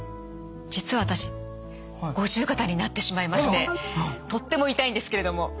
実は私五十肩になってしまいましてとっても痛いんですけれども。